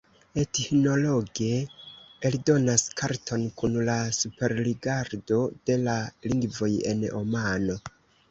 Ethnologue eldonas karton kun la superrigardo de la lingvoj en Omano.